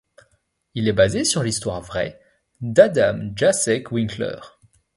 Il est basé sur l'histoire vraie d'Adam Jacek Winkler.